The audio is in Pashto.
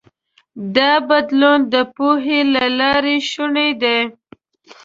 دا بدلون د پوهې له لارې شونی دی.